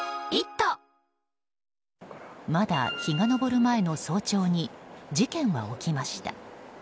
まだ日が昇る前の早朝に事件は起きました。